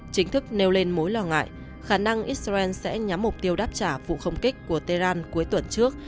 chính thức nêu lên mối lo ngại khả năng israel sẽ nhắm mục tiêu đáp trả vụ không kích của tehran cuối tuần trước